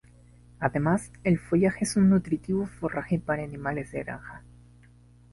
Además, el follaje es un nutritivo forraje para animales de granja.